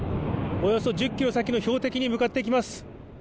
およそ１０ｋｍ先の標的に向かっていきます。